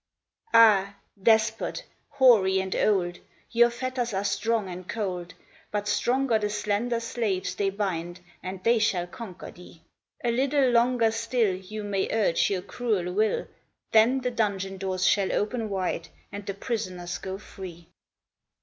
Ah, despot, hoary and old ! Your fetters are strong and cold, But stronger the slender slaves they bind, and they shall conquer thee. MUTINY 67 A little longer still You may urge your cruel will, Then the dungeon doors shall open wide and the pris oners go free.